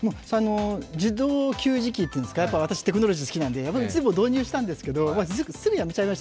自動給餌器というんですか、私はテクノロジーが好きなので導入したんですけど、すぐやめちゃいました。